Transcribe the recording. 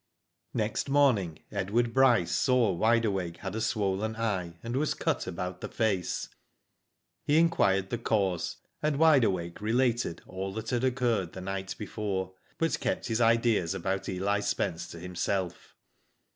Next morning, Edward Bryce saw Wide Awake bad a swollen eye, and was cut about the face. He inquired the cause, and Wide Awake related all that had occurred the night before, but kept his ideas about Eli Spence to himself.